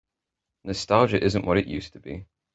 Nostalgia isn't what it used to be.